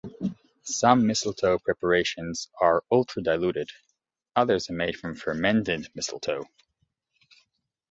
Some mistletoe preparations are ultra-diluted; others are made from fermented mistletoe.